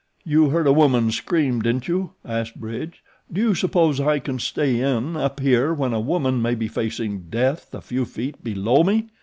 "You heard a woman scream, didn't you?" asked Bridge. "Do you suppose I can stay in up here when a woman may be facing death a few feet below me?"